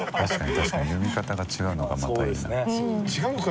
確かに読み方が違うのがまたいいな。